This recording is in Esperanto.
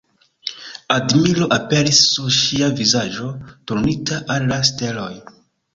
Admiro aperis sur ŝia vizaĝo, turnita al la steloj.